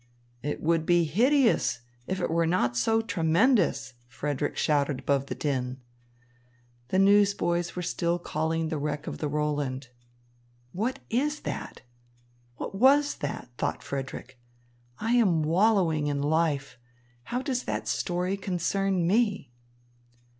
"It would be hideous were it not so tremendous," Frederick shouted above the din. The newsboys were still calling the wreck of the Roland. "What is that? What was that?" thought Frederick. "I am wallowing in life. How does that story concern me?"